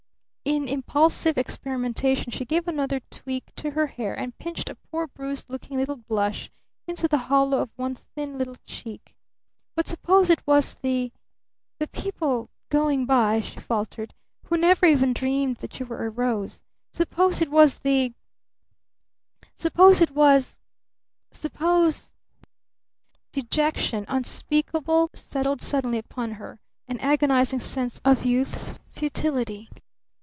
In impulsive experimentation she gave another tweak to her hair, and pinched a poor bruised looking little blush into the hollow of one thin little cheek. "But suppose it was the the people going by," she faltered, "who never even dreamed that you were a rose? Suppose it was the Suppose it was Suppose " Dejection unspeakable settled suddenly upon her an agonizing sense of youth's futility.